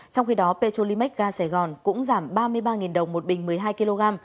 trong khi đó petrolimax ga sài gòn cũng giảm ba mươi ba đồng một bình một mươi hai kg